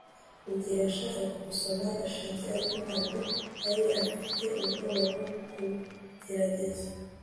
rugeyo yashakaga gusoma gashinzi, ariko ntabwo yari afite ubwoba bwo kugerageza